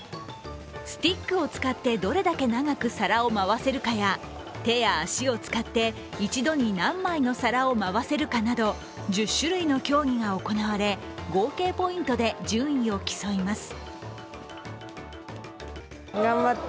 スティックを使ってどれだけ長く皿を回せるかや、手や足を使って一度に何枚の皿を回せるかなど１０種類の競技が行われ、合計ポイントで順位を競います。